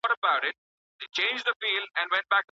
څنګه ځايي بڼوال تازه میوه اروپا ته لیږدوي؟